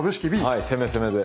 はい攻め攻めで！